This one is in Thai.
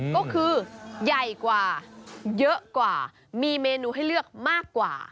ก็คือใหญ่กว่าเยอะกว่ามีเมนูให้เลือกมากกว่า